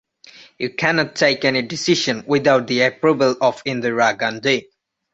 You cannot take any decision without the approval of Indira Gandhi!